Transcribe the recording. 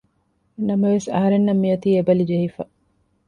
ނަމަވެސް އަހަރެންނަށް މި އޮތީ އެ ބަލި ޖެހިފަ